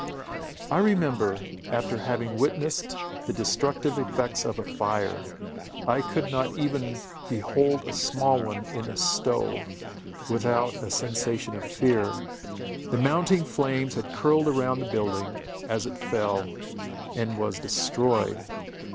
I remember, after having witnessed the destructive effects of a fire, I could not even behold a small one in a stove, without a sensation of fear. The mounting flames had curled round the building, as it fell, and was destroyed.